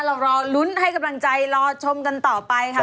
เรารอลุ้นให้กำลังใจรอชมกันต่อไปค่ะ